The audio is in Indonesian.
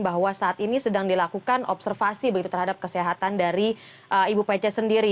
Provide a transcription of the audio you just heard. bahwa saat ini sedang dilakukan observasi begitu terhadap kesehatan dari ibu pece sendiri